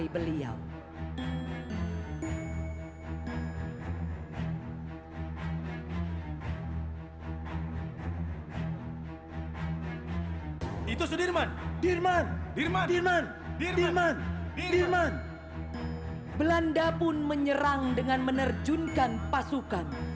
belanda pun menyerang dengan menerjunkan pasukan